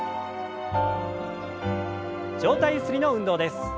上体ゆすりの運動です。